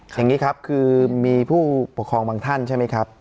อย่างนี้ครับคือมีผู้ปกครองบางท่านใช่ไหมครับ